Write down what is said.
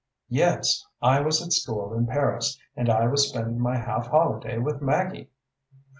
"Yes! I was at school in Paris, and I was spending my half holiday with Maggie."